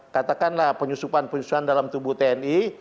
katakanlah penyusupan penyusupan dalam tubuh tni